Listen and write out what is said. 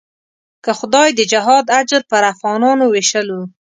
که خدای د جهاد اجر پر افغانانو وېشلو.